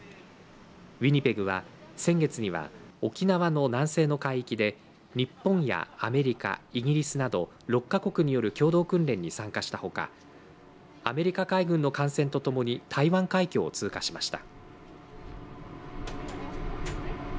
ウィニペグは先月には沖縄の南西の海域で日本やアメリカ、イギリスなど６か国による共同訓練に参加したほかアメリカ海軍の艦船とともに台湾海峡を通過しました。